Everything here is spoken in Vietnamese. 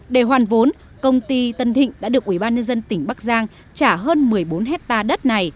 để hoàn vốn công ty tân thịnh đã được ủy ban nhân dân tỉnh bắc giang trả hơn một mươi bốn hectare đất này